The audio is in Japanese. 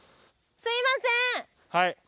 すいません